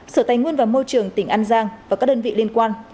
sở tài nguyên và môi trường tỉnh an giang và các đơn vị liên quan